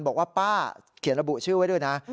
บอกว่าป้าเขียนระบุชื่อไว้ด้วยนะ